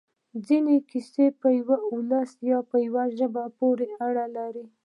ځینې کیسې په یوه ولس یا یوې ژبې پورې اړه لري.